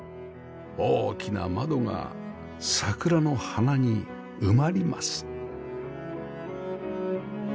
大きな窓が桜の花に埋まります